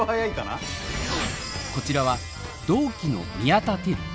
こちらは同期の宮田輝。